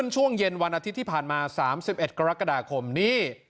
ช่วงเย็นวันอาทิตย์ที่ผ่านมา๓๑กรกฎาคมนี่